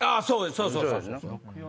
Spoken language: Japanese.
そうそうそう。